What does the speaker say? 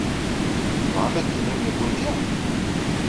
Tebɣam ad d-tinim nekkenti?